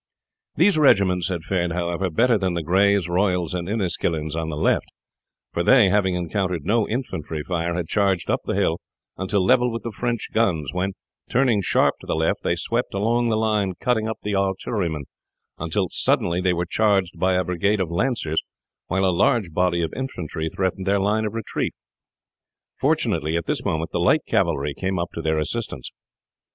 These regiments had fared, however, better than the Greys, Royals, and Inniskillens on the left, for they, having encountered no infantry fire, had charged up the hill until level with the French guns, when, turning sharp to the left, they swept along the line cutting up the artillerymen, until suddenly they were charged by a brigade of lancers, while a large body of infantry threatened their line of retreat. Fortunately at this moment the light cavalry came up to their assistance.